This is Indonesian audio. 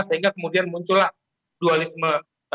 sehingga kemudian muncullah dualisme